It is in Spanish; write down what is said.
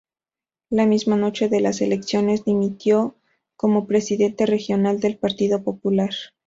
La misma noche de las elecciones dimitió como presidente regional del Partido Popular.